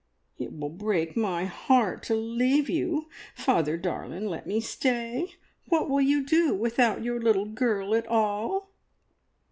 "It will break me heart to leave you. Father darlin', let me stay! What will you do without your little girl at all?"